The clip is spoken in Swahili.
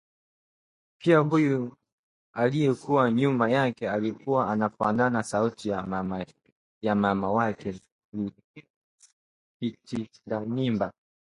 Pia huyu aliyekuwa nyuma yake alikuwa anafanana sauti na mwana wake kitindamimba